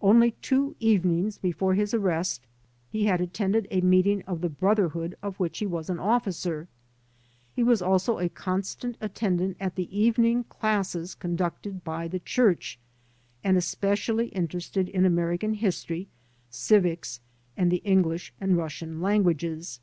Only two evenings before his arrest he had attended a meeting of the Broth erhood, of which he was an officer. He was also a con stant attendant of the evening classes conducted by the 62 THE DEPORTATION CASES Qiurch, and especially interested in American history, civics, and the English and Russian languages.